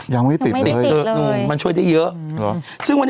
ยังไม่ได้ติดเลยไม่ได้ติดเลยมันช่วยได้เยอะ